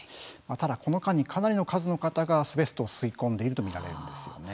ただ、この間にかなりの数の方がアスベストを吸い込んでいると見られるんですよね。